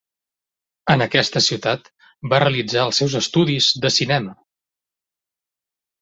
En aquesta ciutat va realitzar els seus estudis de cinema.